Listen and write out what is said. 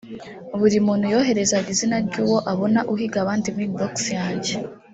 buri muntu yoherezaga izina ry’uwo abona uhiga abandi muri inbox yanjye